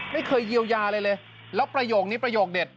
ไม่เคยเยียวยาอะไรเลยแล้วประโยคนี้ประโยคเด็ด